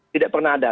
tidak pernah ada